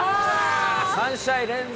３試合連続